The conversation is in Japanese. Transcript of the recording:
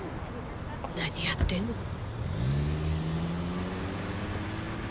何やってんの？